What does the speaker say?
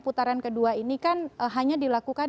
putaran kedua ini kan hanya dilakukan